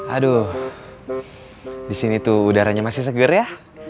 aduh disini tuh udaranya masih segar ya